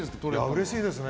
うれしいですね。